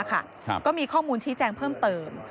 ก็มีข้อมูลชี้แจงเพิ่มเติม